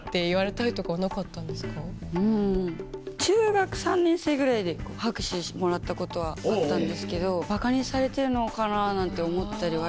うん中学３年生ぐらいで拍手してもらったことはあったんですけどばかにされてるのかななんて思ったりはありました。